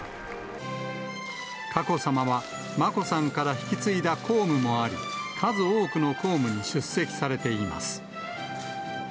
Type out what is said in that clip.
佳子さまは眞子さんから引き継いだ公務もあり、数多くの公務に出席されています。